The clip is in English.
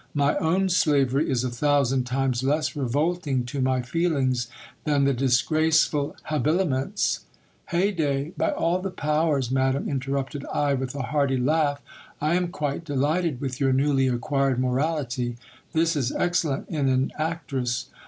My own slavery is a thousand times less revolting to my feelings than the disgraceful habiliments Heyday ! By all the powers, madam, interrupted I with a hearty laugh, I am quite delighted with your newly acquired morality : this is excellent in an actress.